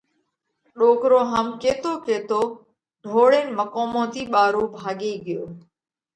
ڏوڪرو هم ڪيتو ڪيتو ڍوڙينَ مقومون ٿِي ٻارو ڀاڳي ڳيو.